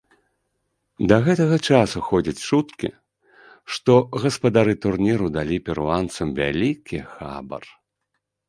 Да гэтага часу ходзяць чуткі, што гаспадары турніру далі перуанцам вялікі хабар.